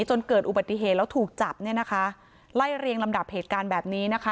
จนเกิดอุบัติเหตุแล้วถูกจับเนี่ยนะคะไล่เรียงลำดับเหตุการณ์แบบนี้นะคะ